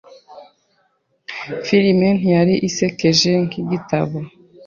Filime ntiyari isekeje nkigitabo .